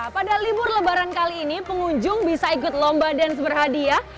pada libur lebaran kali ini pengunjung bisa ikut lomba dance berhadiah